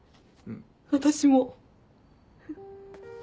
私も。